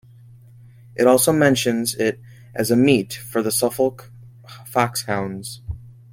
It also mentions it as a meet for the Suffolk fox hounds.